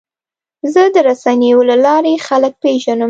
زه د رسنیو له لارې خلک پیژنم.